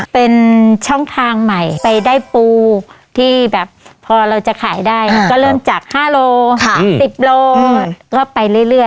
เป็นช่องทางใหม่ไปได้ปูที่แบบพอเราจะขายได้ก็เริ่มจาก๕โล๑๐โลก็ไปเรื่อย